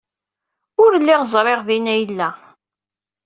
Ur lliɣ ẓriɣ din ay yella.